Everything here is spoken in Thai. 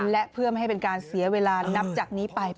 และเพื่อไม่ให้เป็นการเสียเวลานับจากนี้ไป